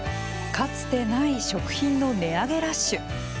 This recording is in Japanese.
かつてない食品の値上げラッシュ。